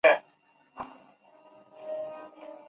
梁子颖现时是葵青区议会社区事务委员会任主席。